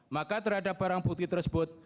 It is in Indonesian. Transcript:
maka terhadap barang bukti tersebut